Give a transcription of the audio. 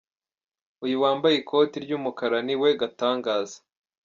Uyu wambaye ikoti ry'umukara ni we Gatangaza.